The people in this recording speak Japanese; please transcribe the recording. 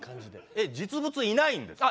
えっ実物いないんですか？